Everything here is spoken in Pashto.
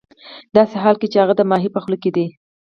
ه داسې حال کې چې هغه د ماهي په خوله کې دی